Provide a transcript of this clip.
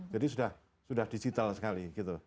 jadi sudah digital sekali gitu